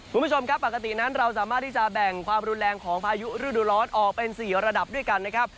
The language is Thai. คุณผู้ชมครับปกตินั้นเราสามารถที่จะแบ่งความรุนแรงของพายุฤดูร้อนออกเป็น๔ระดับด้วยกันนะครับ